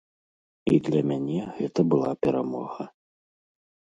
І для мяне гэта была перамога.